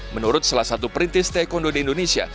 menurut salah satu perintis teh kondo di indonesia